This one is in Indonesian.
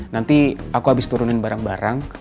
nanti aku habis turunin barang barang